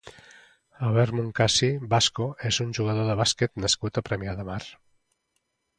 Albert Moncasi Vasco és un jugador de bàsquet nascut a Premià de Mar.